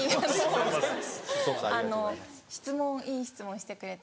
あの質問いい質問をしてくれて。